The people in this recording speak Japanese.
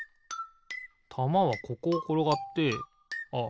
たまはここをころがってあっ